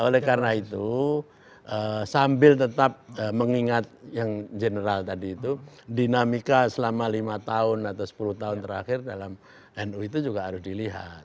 oleh karena itu sambil tetap mengingat yang general tadi itu dinamika selama lima tahun atau sepuluh tahun terakhir dalam nu itu juga harus dilihat